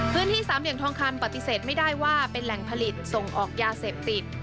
สามเหลี่ยมทองคำปฏิเสธไม่ได้ว่าเป็นแหล่งผลิตส่งออกยาเสพติด